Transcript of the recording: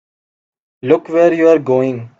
Look where you're going!